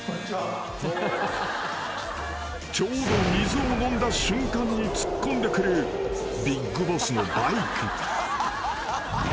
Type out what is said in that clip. ［ちょうど水を飲んだ瞬間に突っ込んでくるＢＩＧＢＯＳＳのバイク］